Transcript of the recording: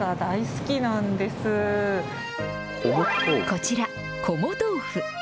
こちら、こも豆腐。